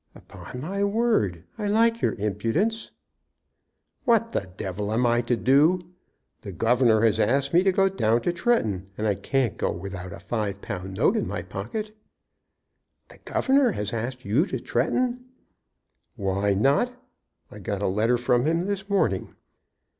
"Upon my word, I like your impudence!" "What the devil am I to do? The governor has asked me to go down to Tretton, and I can't go without a five pound note in my pocket." "The governor has asked you to Tretton?" "Why not? I got a letter from him this morning."